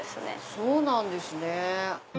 そうなんですね。